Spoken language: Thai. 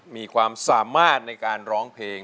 มีความสามารถในการร้องเพลง